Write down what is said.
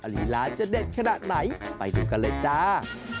ลีลาจะเด็ดขนาดไหนไปดูกันเลยจ้า